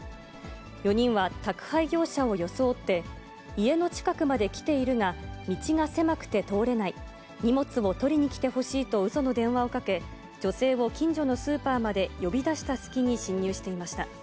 ４人は宅配業者を装って、家の近くまで来ているが道が狭くて通れない、荷物を取りに来てほしいとうその電話をかけ、女性を近所のスーパーまで呼び出した隙に侵入していました。